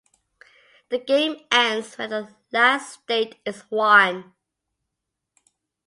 The game ends when the last state is won.